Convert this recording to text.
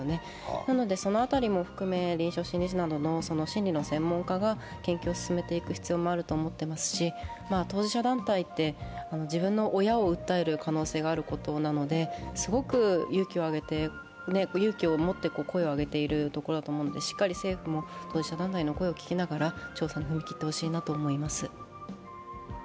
なのでその辺りも含めて臨床心理士などの審理の専門家が研究を進めていく必要もあると思っていますし、当事者団体って自分の親を訴える可能性があることなのですごく勇気を持って声を上げているところだと思うんでしっかり政府も当事者団体の声を聞きながら調査に踏み切ってほしいなと思います。